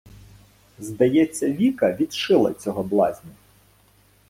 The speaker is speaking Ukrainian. Здається, Віка "відшила" цього блазня.